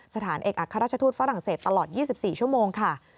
สถานเอกอัครราชทูตฝรั่งเศสตลอด๒๔ชั่วโมงค่ะ